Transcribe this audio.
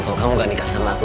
kalau kamu gak nikah sama aku